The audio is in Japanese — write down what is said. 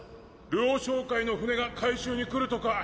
「ルオ商会」の船が回収に来るとか。